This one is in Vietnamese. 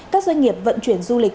các doanh nghiệp vận chuyển du lịch